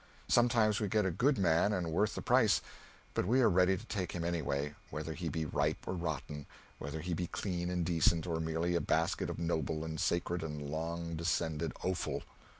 Sometimes we get a good man and worth the price, but we are ready to take him anyway, whether he be ripe or rotten, whether he be clean and decent, or merely a basket of noble and sacred and long descended offal.